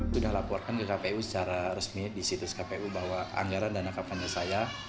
sudah laporkan ke kpu secara resmi di situs kpu bahwa anggaran dana kampanye saya